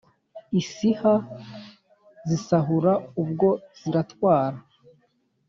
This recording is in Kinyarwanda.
isiha zisahura ubwo ziratwara